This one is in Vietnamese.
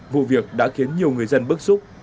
vụ việc đã khiến nhiều người dân bức xúc